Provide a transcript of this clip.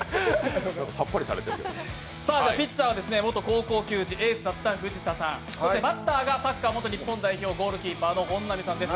ピッチャーは元高校球児エースだった藤田さん、そしてバッターがサッカー元日本代表、ゴールキーパーの本並さんです。